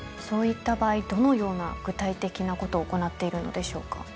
そういった場合どのような具体的なことを行っているのでしょうか？